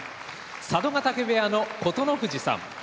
佐渡ヶ嶽部屋の琴ノ藤さん。